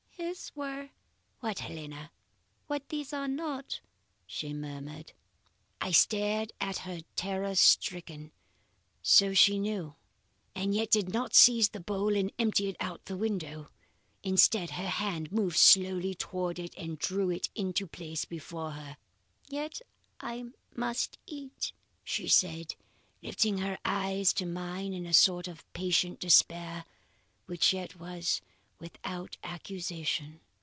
"'His were ' "'What, Helena?' "'What these are not,' she murmured. "I stared at her, terror stricken. So she knew, and yet did not seize the bowl and empty it out of the window! Instead, her hand moved slowly towards it and drew it into place before her. "'Yet I must eat,' she said, lifting her eyes to mine in a sort of patient despair, which yet was without accusation.